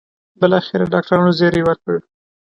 بالاخره ډاکټرانو زېری وکړ.